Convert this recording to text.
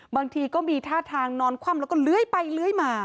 บางทีก็มีท่าทางนอนคว่ำแล้วก็เลื้อยไปเลื้อยมา